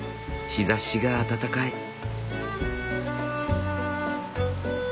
日ざしが暖かい。